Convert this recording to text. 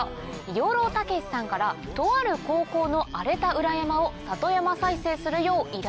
養老孟司さんからとある高校の荒れた裏山を里山再生するよう依頼が。